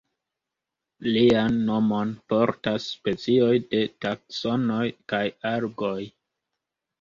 Lian nomon portas specioj de Taksonoj kaj Algoj.